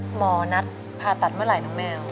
หมอนัดผ่าตัดเมื่อไหร่น้องแมว